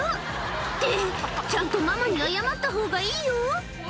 って、ちゃんとママに謝ったほうがいいよ。